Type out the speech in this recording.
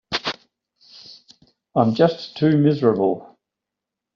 I'm just too miserable.